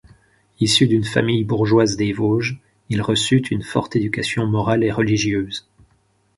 Issu d'une famille bourgeoise des Vosges, il reçut une forte éducation morale et religieuse.